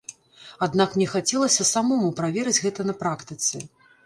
Аднак мне хацелася самому праверыць гэта на практыцы.